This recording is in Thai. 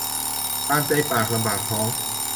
ตามใจปากลำบากท้อง